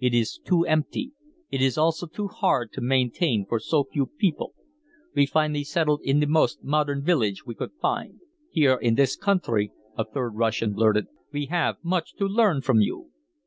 It is too empty. It is also too hard to maintain for so few people. We finally settled in the most modern village we could find." "Here in this country," a third Russian blurted. "We have much to learn from you."